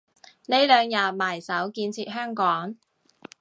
呢兩日埋首建設香港